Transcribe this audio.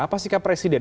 apa sikap presiden